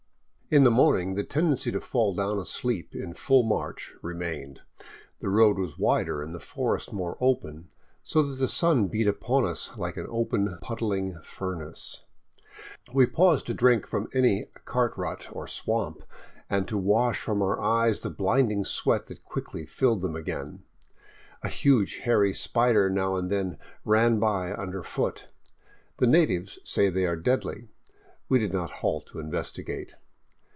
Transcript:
In the morning the tendency to fall down asleep in full march re mained. The road was wider and the forest more open, so that the sun beat upon us like an open puddling furnace. We paused to drink from any cart rut or swamp, and to wash from our eyes the blinding sweat that quickly filled them again. A huge hairy spider now and then ran by underfoot. The natives say they are deadly. We did not halt to investigate.